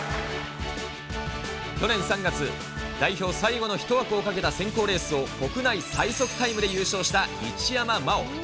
去年３月、代表最後の１枠をかけた選考レースを国内最速タイムで優勝した、一山麻緒。